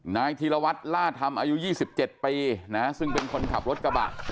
นายทีลวัตรล่าธรรมอายุยี่สิบเจ็ดปีนะฮะซึ่งเป็นคนขับรถกระบะ